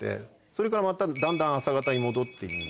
それからまただんだん朝型に戻って行く。